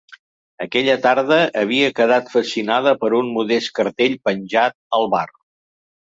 Aquella tarda havia quedat fascinada per un modest cartell penjat al bar.